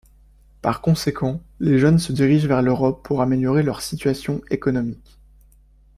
Par conséquent, les jeunes se dirigent vers l’Europe pour améliorer leurs situations économiques.